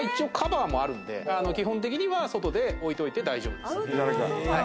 カバーもあるんで、基本的には外に置いといて大丈夫です。